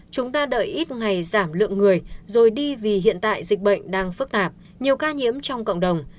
chúng ta đợi ít ngày giảm lượng người rồi đi vì hiện tại dịch bệnh đang phức tạp nhiều ca nhiễm trong cộng đồng